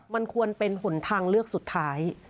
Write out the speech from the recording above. มันควรเป็นหนทางเลือกสุดท้าย